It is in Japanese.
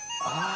ああ！